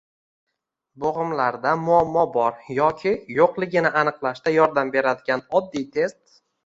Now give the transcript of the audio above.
Bo‘g‘imlarda muammo bor yoki yo‘qligini aniqlashga yordam beradigan oddiy test